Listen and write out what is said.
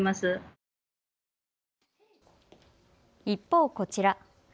一方、こちら。